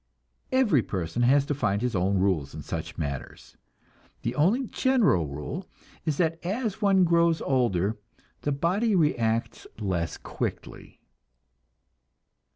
Every person has to find his own rules in such matters. The only general rule is that as one grows older the body reacts less quickly.